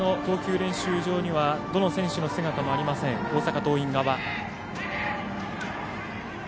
練習場にはどの選手の姿もありません、大阪桐蔭側。